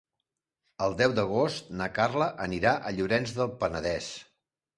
El deu d'agost na Carla anirà a Llorenç del Penedès.